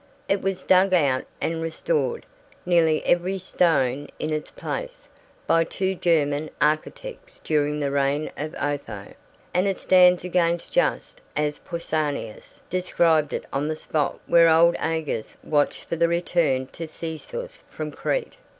It was dug out and restored, nearly every stone in its place, by two German architects during the reign of Otho, and it stands again just as Pausanias described it on the spot where old AEgeus watched for the return of Theseus from Crete.